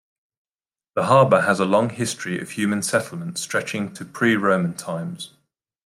The harbour has a long history of human settlement stretching to pre-Roman times.